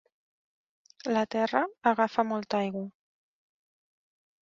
La terra agafa molta aigua.